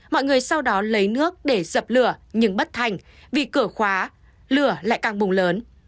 mọi người sau đó lấy nước để dập lửa nhưng bất thành vì cửa khóa lửa lại càng bùng lớn